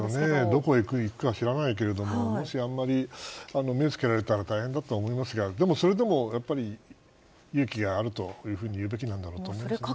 どこに行くか知らないけれども目をつけられたら大変だとは思いますがでもそれでも、勇気があると言うべきなんだろうと思います。